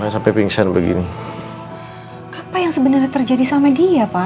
sampai pingsan begini apa yang sebenarnya terjadi sama dia pak